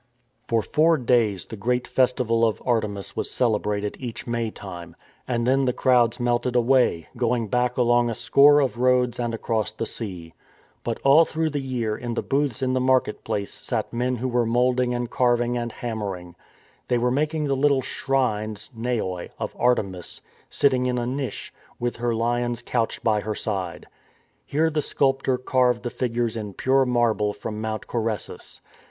For four days the great festival of Artemis was celebrated each May time; and then the crowds melted away, going back along a score of roads and across the sea. But all through the year in the booths in the market place sat men who were moulding and carving and hammering. All were making the little shrines (naoi) of Artemis sitting in a niche, with her lions couched by her side. Here the sculptor carved the figures in pure marble from Mount Coressus.